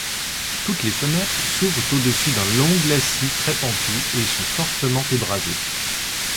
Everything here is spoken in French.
Toutes les fenêtres s'ouvrent au-dessus d'un long glacis très pentu, et sont fortement ébrasées.